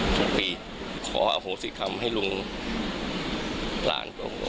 ทุกปีขออโหสิกรรมให้ลุงหลานผม